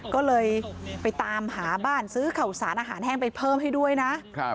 ก็เลยไปตามหาบ้านซื้อข่าวสารอาหารแห้งไปเพิ่มให้ด้วยนะ